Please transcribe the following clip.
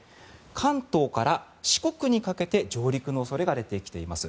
関東から四国にかけて上陸の恐れが出てきています。